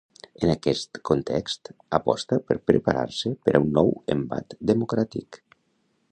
En aquest context, aposta per preparar-se per a un ‘nou embat democràtic’.